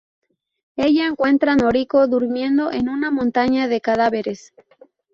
Ella encuentra Noriko durmiendo en una montaña de cadáveres.